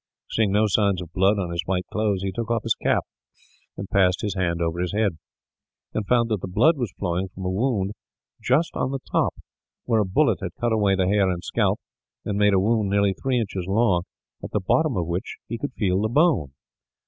Seeing no signs of blood on his white clothes, he took off his cap and passed his hand over his head; and found that the blood was flowing from a wound just on the top, where a bullet had cut away the hair and scalp, and made a wound nearly three inches long, at the bottom of which he could feel the bone.